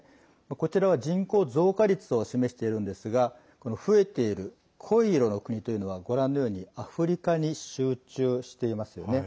こちらは人口増加率を示しているんですが増えている濃い色の国というのはご覧のようにアフリカに集中していますよね。